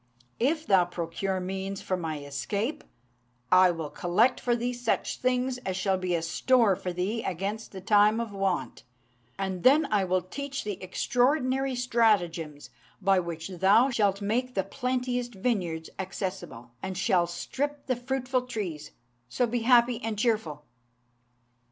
If thou procure means for my escape, I will collect for thee such things as shall be a store for thee against the time of want, and then I will teach thee extraordinary stratagems by which thou shalt make the plenteous vineyards accessible, and shalt strip the fruitful trees: so be happy and cheerful."